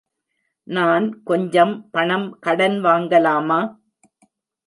நான் கொஞ்சம் பணம் கடன் வாங்கலாமா?